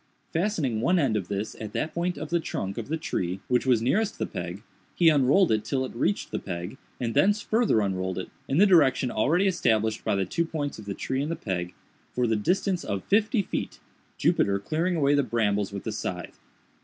Fastening one end of this at that point of the trunk, of the tree which was nearest the peg, he unrolled it till it reached the peg, and thence farther unrolled it, in the direction already established by the two points of the tree and the peg, for the distance of fifty feet—Jupiter clearing away the brambles with the scythe.